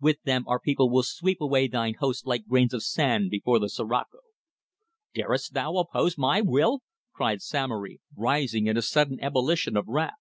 With them our people will sweep away thine hosts like grains of sand before the sirocco." "Darest thou oppose my will?" cried Samory, rising in a sudden ebullition of wrath.